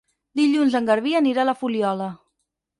Dilluns en Garbí anirà a la Fuliola.